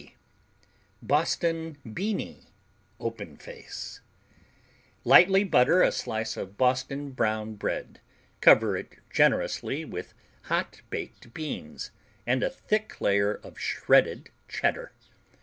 B Boston Beany, Open face Lightly butter a slice of Boston brown bread, cover it generously with hot baked beans and a thick layer of shredded Cheddar.